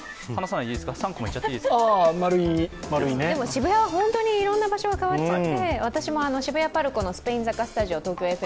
渋谷はいろんな場所が変わっちゃって私も渋谷ＰＡＲＣＯのスペイン坂スタジオ、東京ＦＭの。